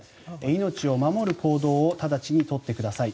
命を守る行動を直ちに取ってください。